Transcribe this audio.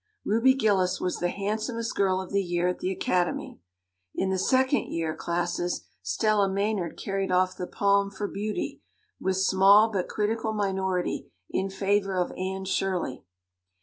Ruby Gillis was the handsomest girl of the year at the Academy; in the Second Year classes Stella Maynard carried off the palm for beauty, with small but critical minority in favor of Anne Shirley.